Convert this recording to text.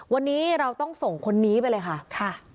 วันนี้เราต้องส่งคนนี้ไปเลยค่ะ